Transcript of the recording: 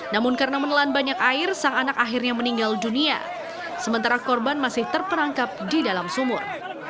namun karena menelan banyak air sang anak akhirnya meninggal dunia sementara korban masih terperangkap di dalam sumur